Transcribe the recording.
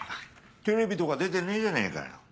テレビとか出てねえじゃねぇかよ。